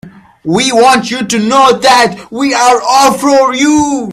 We want you to know that we're all for you.